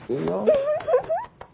ウフフフ。